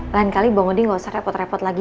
lain kali bang odin gak usah repot repot lagi